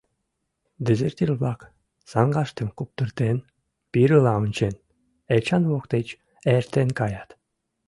Дезертир-влак, саҥгаштым куптыртен, пирыла ончен, Эчан воктеч эртен каят.